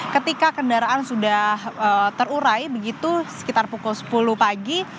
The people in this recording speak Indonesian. ketika kendaraan sudah terurai begitu sekitar pukul sepuluh pagi